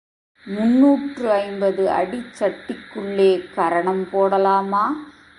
முன்னூற்று ஐம்பது அடிச்சட்டிக்குள்ளே கரணம் போடலாமா?